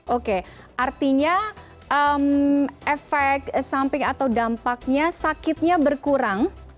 oke artinya efek samping atau dampaknya sakitnya berkurang